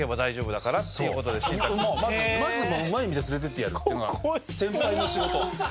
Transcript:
まずもううまい店連れていってやるっていうのが先輩の仕事。